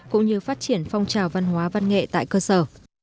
cũng như phát triển phong trào văn hóa văn nghệ tại cơ sở